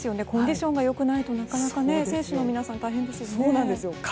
コンディションが良くないとなかなか選手の皆さん大変ですよね。